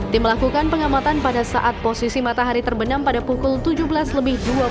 tim melakukan pengamatan pada saat posisi matahari terbenam pada pukul tujuh belas lebih dua puluh